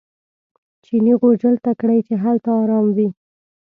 چیني غوجل ته کړئ چې هلته ارام وي.